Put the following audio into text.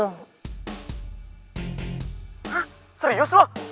hah serius lo